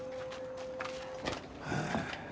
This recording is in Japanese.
はあ。